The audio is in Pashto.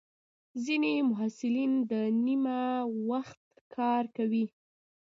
ځینې محصلین د نیمه وخت کار کوي.